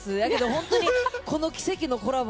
本当に、この奇跡のコラボ